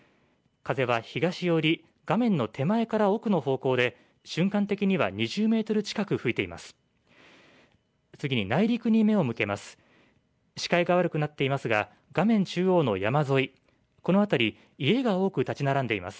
風は東寄り、画面の手前から奥の方向で瞬間的には２０メートル近く吹いています。